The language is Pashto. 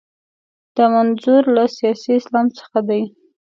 دا منظور له سیاسي اسلام څخه دی.